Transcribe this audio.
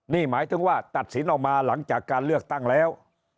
นี่หมายถึงว่าตัดสินออกมาหลังจากการเลือกตั้งแล้ว